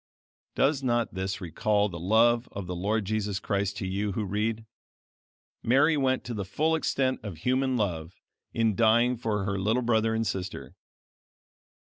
Does not this recall the love of the Lord Jesus Christ to you who read? Mary went to the full extent of human love in dying for her little brother and sister.